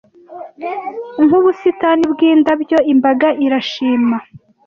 nkubusitani bwindabyo imbaga irashima